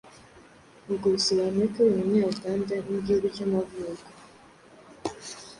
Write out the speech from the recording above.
ubwo bisobanuye ko ari umunya-Uganda nk’igihugu cy’amavuko;